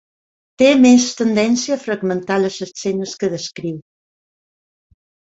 Té més tendència a fragmentar les escenes que descriu.